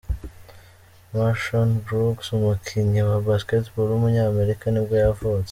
MarShon Brooks, umukinnyi wa basketball w’umunyamerika nibwo yavutse.